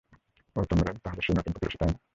ওহ, তোমরাই তাহলে সেই নতুন প্রতিবেশী, তাই না?